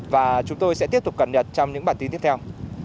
và chúng tôi sẽ tiếp tục cẩn thận trong những bản tin tiếp theo